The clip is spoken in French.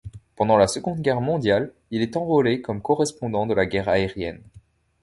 Pendant la Seconde Guerre mondiale, il est enrôlé comme correspondant de la guerre aérienne.